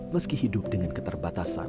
meski hidup dengan keterbatasan